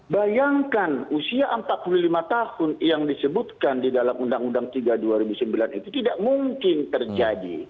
bayangkan usia empat puluh lima tahun yang disebutkan di dalam undang undang tiga dua ribu sembilan itu tidak mungkin terjadi